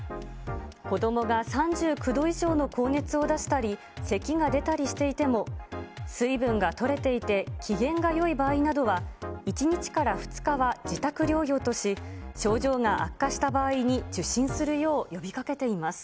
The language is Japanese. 子どもが３９度以上の高熱を出したり、せきが出たりしていても、水分がとれていて、機嫌がよい場合などは、１日から２日は自宅療養とし、症状が悪化した場合に受診するよう呼びかけています。